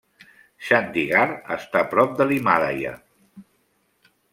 Chandigarh està prop de l'Himàlaia.